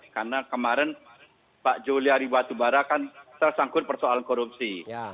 karena kemarin pak juliari batubara kan tersangkut persoalan korupsi